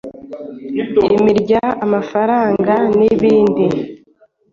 imirya, amafaranga n’ibindi.